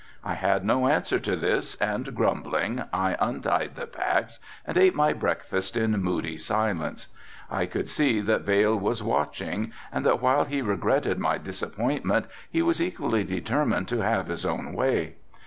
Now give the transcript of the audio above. I had no answer to this and grumbling I untied the packs and ate my breakfast in moody silence. I could see that Vail was watching and that while he regretted my disappointment he was equally determined to have his own way.